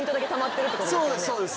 そうです